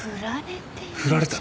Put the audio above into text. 振られた。